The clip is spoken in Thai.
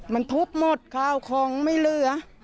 มันทุบหมดข้าวของไม่เหลือ